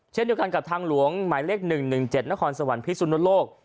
เช่นเดียวกันกับทางหลวงหมายเลข๑๑๗นครสวรรคพิสุนโลก